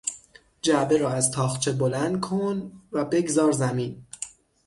جعبه را از تاقچه بلند کن و بگذار زمین.